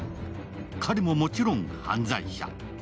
彼ももちろん犯罪者。